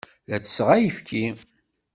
La ttesseɣ ayefki.